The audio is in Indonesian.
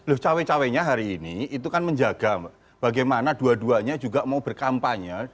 loh cawe cawe nya hari ini itu kan menjaga bagaimana dua duanya juga mau berkampanye